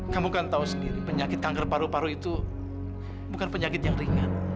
kamu kan tahu sendiri penyakit kanker paru paru itu bukan penyakit yang ringan